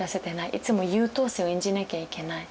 いつも優等生を演じなきゃいけない。